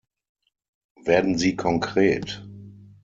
Werden Sie konkret!